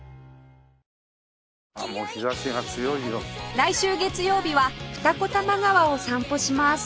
来週月曜日は二子玉川を散歩します